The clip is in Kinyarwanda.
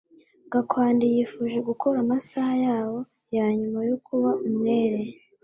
Gakwandi yifuje gukora amasaha yabo ya nyuma yo kuba umwere